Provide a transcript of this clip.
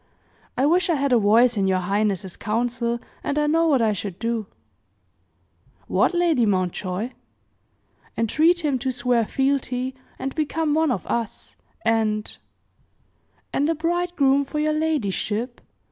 I wish I had a voice in your highness's council, and I know what I should do." "What, Lady Mountjoy?" "Entreat him to swear fealty, and become one of us; and " "And a bridegroom for your ladyship?"